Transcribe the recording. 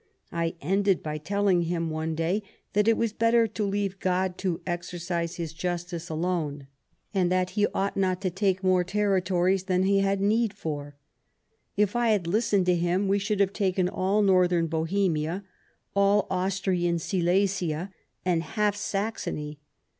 I ended by telling him, one day, that it was better to leave God to exercise His justice alone, 98 Sadowa and that he ought not to take more territories than we had need for. If I had listened to him, we should have taken all Northern Bohemia, all Austrian Silesia, and half Saxony.